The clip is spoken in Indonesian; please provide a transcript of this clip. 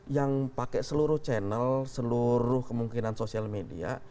yang pakai seluruh channel seluruh kemungkinan sosial media